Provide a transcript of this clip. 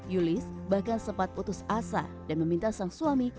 yulis bahkan sempat putus asa dan meminta sang suami